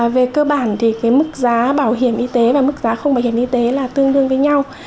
về cơ bản thì mức giá bảo hiểm y tế và mức giá không bảo hiểm y tế là tương đương với nhau